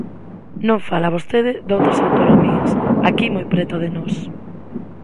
Non fala vostede doutras autonomías aquí moi preto de nós.